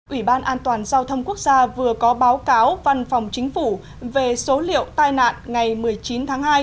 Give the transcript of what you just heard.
ủy ban an toàn giao thông quốc gia vừa có báo cáo văn phòng chính phủ về số liệu tai nạn ngày một mươi chín tháng hai